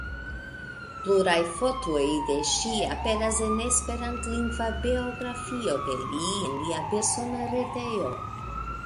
Pluraj fotoj de ŝi aperas en esperantlingva biografio de li en lia persona retejo.